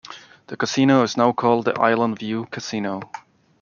The casino is now called the Island View Casino.